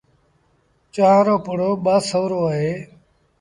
چآنه رو پڙو ٻآسورو اهي۔